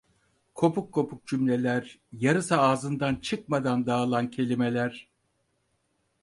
Kopuk kopuk cümleler, yarısı ağzından çıkmadan dağılan kelimeler...